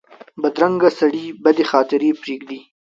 بدرنګه سړي بدې خاطرې پرېږدي